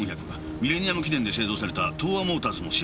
ミレニアム記念で製造された東亜モーターズの市販車です。